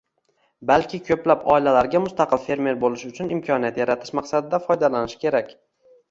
balki ko‘plab oilalarga mustaqil fermer bo‘lish uchun imkoniyat yaratish maqsadida foydalanish kerak.